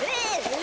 え？